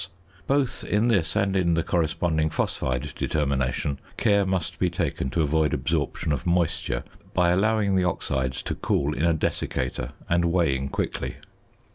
Both in this and in the corresponding phosphide determination care must be taken to avoid absorption of moisture, by allowing the oxides to cool in a desiccator and weighing quickly.